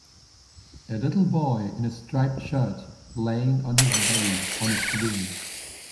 A little boy in a striped shirt laying on his belly on a swing.